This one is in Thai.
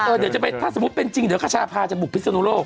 เออเดี๋ยวจะเป็นถ้าสมมุติเป็นจริงเดี๋ยวพชาพาจะบุกผิดขึ้นทุนโลก